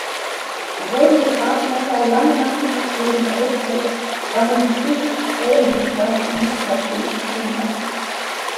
Wurden die Grabmäler lange nach dem Ableben errichtet, waren die physischen Ähnlichkeiten natürlich geringer.